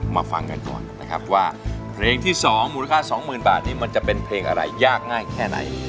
ฟังกันก่อนนะครับว่าเพลงที่๒มูลค่า๒๐๐๐บาทนี้มันจะเป็นเพลงอะไรยากง่ายแค่ไหน